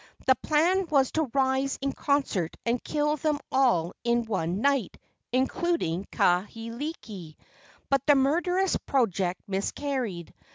The plan was to rise in concert and kill them all in one night, including Kahekili. But the murderous project miscarried.